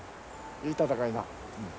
いい戦いだ。